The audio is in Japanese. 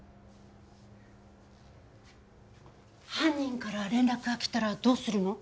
犯人から連絡が来たらどうするの？